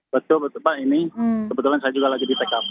betul betul pak ini kebetulan saya juga lagi di tkp